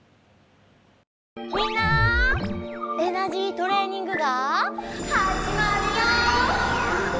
みんなエナジートレーニングがはじまるよ！